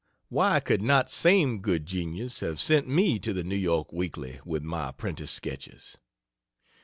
Why could not same good genius have sent me to the N. Y. Weekly with my apprentice sketches?